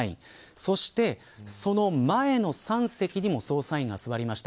そして、その前の３席にも捜査員が座りました。